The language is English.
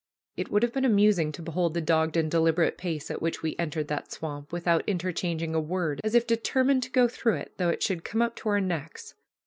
It would have been amusing to behold the dogged and deliberate pace at which we entered that swamp, without interchanging a word, as if determined to go through it, though it should come up to our necks.